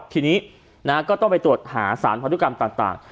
ทีนี้ก็ต้องไปตรวจหาสารพันธุกรรมต่าง